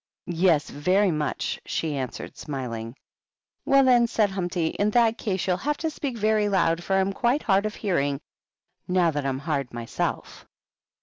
"Yes, very much," she answered, smiling. "Well, then," said Humpty, "in that case you'll have to speak very loud, for I am quite hard of hearing, now that I'm hard myself."